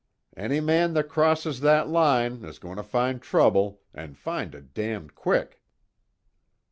"Any man that crosses that line is going to find trouble and find it damned quick."